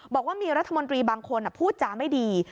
บอกว่ามีรัฐมนตรีบางคนพูดจาไม่ดี